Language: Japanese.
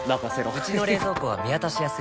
うちの冷蔵庫は見渡しやすい